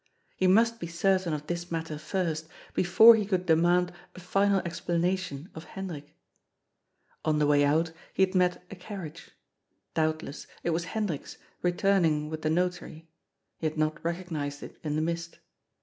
He must be certain of this matter first, before he could demand a final explanation of Hendrik. On the way out he had met a carriage — doubtless it was Hendrik's, returning with the Notary — he had not recognized it in the mist.